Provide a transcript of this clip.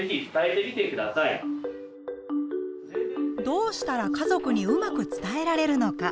どうしたら家族にうまく伝えられるのか。